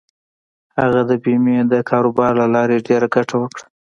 هغه د بېمې د کاروبار له لارې ډېره ګټه وکړه.